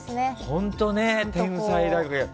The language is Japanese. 本当ね、天才だね。